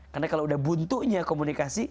karena kalau sudah buntu komunikasi